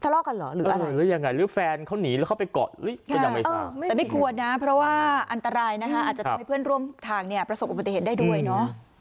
ว่าอันตรายนะคะอาจจะทำให้เพื่อนร่วมทางประสบปฏิเหตุได้ด้วยเนอะ